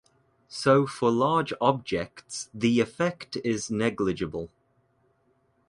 So for large objects the effect is negligible.